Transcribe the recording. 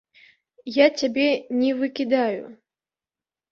Я цябе не выкідаю.